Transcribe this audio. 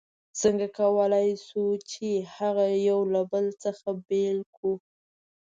څنګه کولای شو چې هغه یو له بل څخه بېل کړو؟